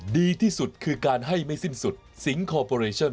ดีที่สุดคือการให้ไม่สิ้นสุดสิงคอร์ปอเรชั่น